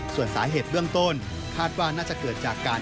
ส่วนสาเหตุเบื้องต้นคาดว่าน่าจะเกิดจากการ